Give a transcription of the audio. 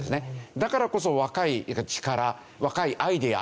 だからこそ若い力若いアイデアまあ。